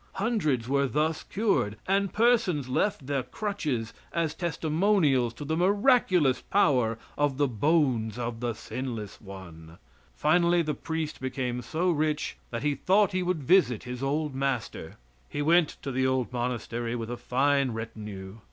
Hundreds were thus cured, and persons left their crutches as testimonials to the miraculous power of the bones of the sinless one. Finally the priest became so rich that he thought he would visit his old master. He went to the old monastery with a fine retinue.